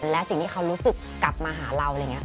และสิ่งที่เขารู้สึกกลับมาหาเราอะไรอย่างนี้